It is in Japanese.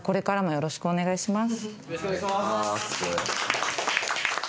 よろしくお願いします。